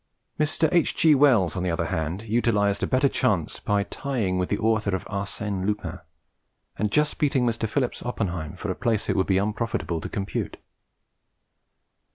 Mr. H. G. Wells, on the other hand, utilised a better chance by tying with the author of Arsène Lupin, and just beating Mr. Phillips Oppenheim, for a place it would be unprofitable to compute.